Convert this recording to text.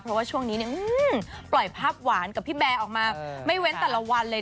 เพราะว่าช่วงนี้เนี่ยปล่อยภาพหวานกับพี่แบร์ออกมาไม่เว้นแต่ละวันเลย